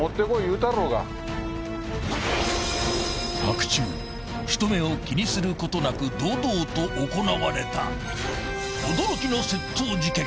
［白昼人目を気にすることなく堂々と行われた驚きの窃盗事件］